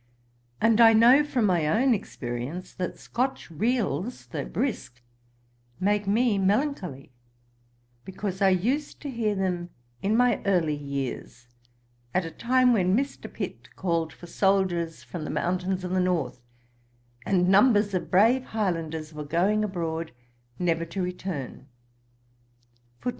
And I know from my own experience, that Scotch reels, though brisk, make me melancholy, because I used to hear them in my early years, at a time when Mr. Pitt called for soldiers 'from the mountains of the north,' and numbers of brave Highlanders were going abroad, never to return.